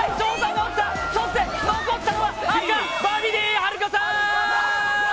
そして残ったのは赤、バビディはるかさん！